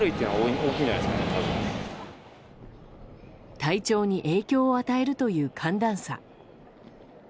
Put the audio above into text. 体調に影響を与えるという寒暖差。